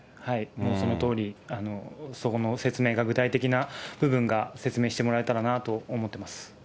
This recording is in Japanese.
そのとおり、そこの説明が、具体的な部分が説明してもらえたらなと思ってます。